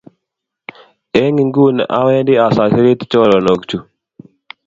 eng nguni ko owendi osoiseriti choronokchu